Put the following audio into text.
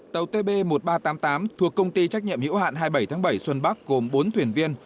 tàu tb một nghìn ba trăm tám mươi tám thuộc công ty trách nhiệm hiểu hạn hai mươi bảy tháng bảy xuân bắc gồm bốn thuyền viên